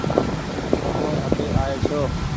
تم آٻي آئي ڇو